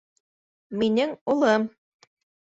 Минең улым!